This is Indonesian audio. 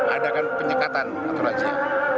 adakan penyekatan atau razia